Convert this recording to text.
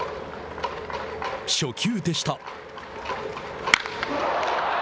初球でした。